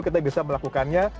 kita bisa melakukannya